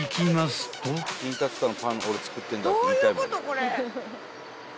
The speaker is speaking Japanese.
これ。